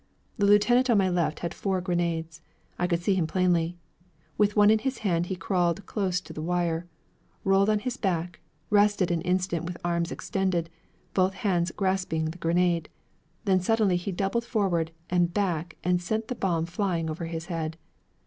The lieutenant on my left had four grenades. I could see him plainly. With one in his hand, he crawled close to the wire, rolled on his back, rested an instant with arms extended, both hands grasping the grenade, then suddenly he doubled forward and back and sent the bomb flying over his head.